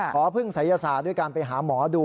พึ่งศัยศาสตร์ด้วยการไปหาหมอดู